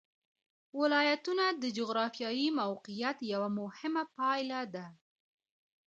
ولایتونه د جغرافیایي موقیعت یوه مهمه پایله ده.